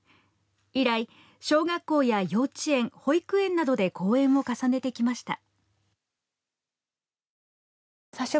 以来、小学校や幼稚園保育園などで公演を重ねてきました。